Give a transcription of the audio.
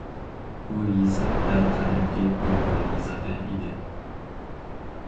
بۇ يېزىق دەل «قەدىمكى ئۇيغۇر يېزىقى» ئىدى.